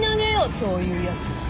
そういうやつ。